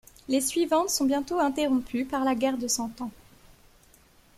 Les suivantes sont bientôt interrompues par la guerre de Cent Ans.